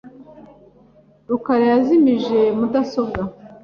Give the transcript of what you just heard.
rukara yazimije mudasobwa .